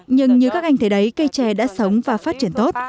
nhưng như các anh thấy đấy cây tre đã sống và phát triển tốt